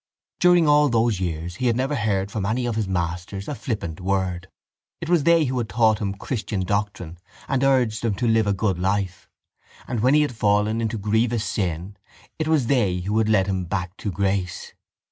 During all those years he had never heard from any of his masters a flippant word: it was they who had taught him christian doctrine and urged him to live a good life and, when he had fallen into grievous sin, it was they who had led him back to grace.